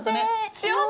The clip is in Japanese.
幸せ？